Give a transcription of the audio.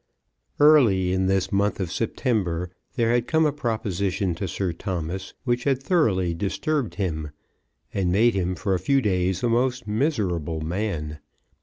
Early in this month of September there had come a proposition to Sir Thomas, which had thoroughly disturbed him, and made him for a few days a most miserable man.